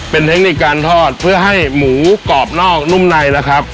เป็นเทคนิคการทอดเพื่อให้หมูกรอบนอกนุ่มในนะครับ